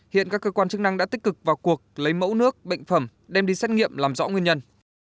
hiện các cơ quan chức năng đã tích cực vào cuộc lấy mẫu nước bệnh phẩm đem đi xét nghiệm làm rõ nguyên nhân